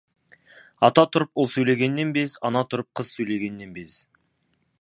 Ата тұрып, ұл сөйлегеннен без, ана тұрып, қыз сөйлегеннен без.